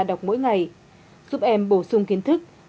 đọc mỗi ngày giúp em bổ sung kiến thức